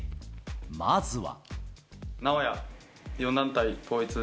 まずは。